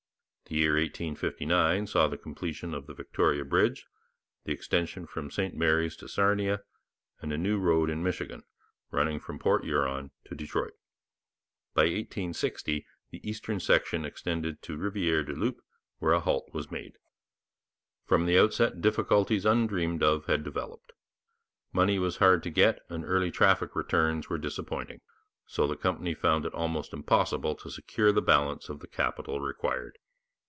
The year 1859 saw the completion of the Victoria Bridge, the extension from St Mary's to Sarnia, and a new road in Michigan, running from Port Huron to Detroit. By 1860 the eastern section extended to Rivière du Loup, where a halt was made. From the outset difficulties undreamed of had developed. Money was hard to get and early traffic returns were disappointing, so that the company found it almost impossible to secure the balance of the capital required.